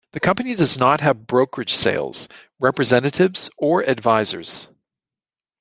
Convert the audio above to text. The company does not have brokerage sales representatives or advisors.